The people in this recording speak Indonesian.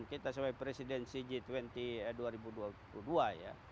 kita sebagai presidensi g dua puluh dua ribu dua puluh dua ya